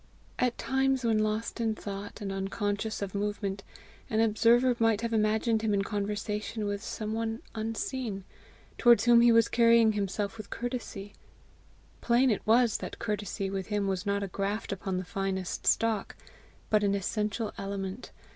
At times, when lost in thought and unconscious of movement, an observer might have imagined him in conversation with some one unseen, towards whom he was carrying himself with courtesy: plain it was that courtesy with him was not a graft upon the finest stock, but an essential element.